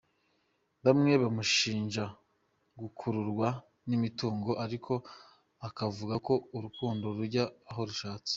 Bamwe bamushinja gukururwa n’imitungo ariko akavuga ko urukundo rujya aho rushatse.